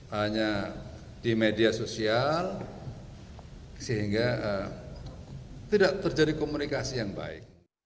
hanya di media sosial sehingga tidak terjadi komunikasi yang baik